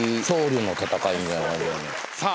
さあ